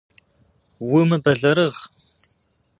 Умыбэлэрыгъ!